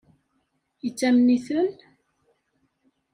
Yettamen-iten?